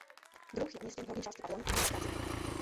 Druh je umístěn v horní části pavilonu Indonéská džungle.